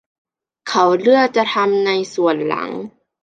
เขาเลือกจะทำในส่วนหลัง